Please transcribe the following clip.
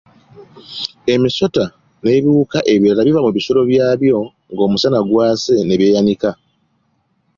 Emisota n'ebiwuka ebirala biva mu bisulo byabyo ng'omusana gwase ne byeyanika.